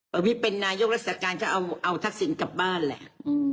ประวิทย์เป็นนายกรักษาการก็เอาทักษิณกลับบ้านแหละ